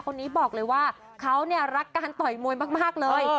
คนนี้บอกเลยว่าเขาเนี่ยรักการต่อยมวยมากเลย